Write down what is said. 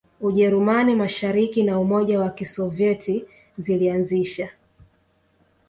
Ujerumani Mashariki na Umoja wa Kisovyeti zilianzisha